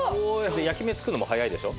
焼き目つくのも早いでしょ？